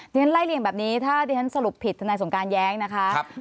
ฉันไล่เลี่ยงแบบนี้ถ้าดิฉันสรุปผิดทนายสงการแย้งนะคะ